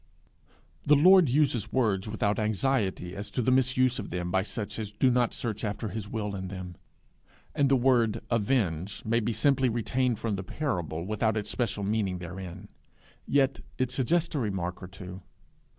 The Lord uses words without anxiety as to the misuse of them by such as do not search after his will in them; and the word avenge may be simply retained from the parable without its special meaning therein; yet it suggests a remark or two.